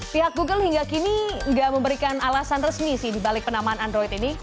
pihak google hingga kini nggak memberikan alasan resmi sih dibalik penamaan android ini